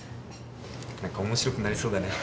なんか面白くなりそうだね。